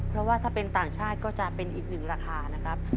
เพราะว่าถ้าเป็นต่างชาติก็จะเป็นอีกหนึ่งราคานะครับ